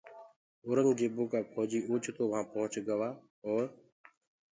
اورنٚگجيبو ڪآ ڦوجيٚ اوچتو وهآن پُهچ گوآ اور